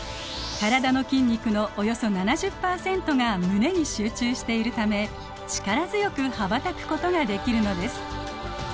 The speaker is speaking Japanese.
体の筋肉のおよそ７０％が胸に集中しているため力強く羽ばたくことができるのです。